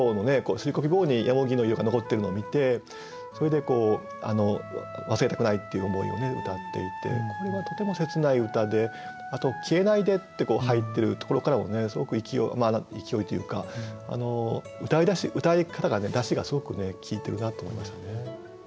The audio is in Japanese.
すりこぎ棒にの色が残ってるのを見てそれで忘れたくないっていう思いを歌っていてこれはとても切ない歌であと「消えないで」って入ってるところからもねすごく勢いというか歌いだし歌い方がだしがすごく効いてるなと思いましたね。